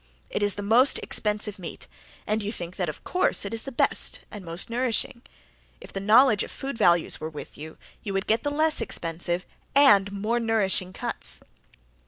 It is the most expensive meat and you think that of course it is the best and most nourishing. If the knowledge of food values were with you, you would get the less expensive and more nourishing cuts.